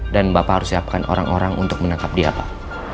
dan bapak harus siapkan orang orang untuk menangkap dia pak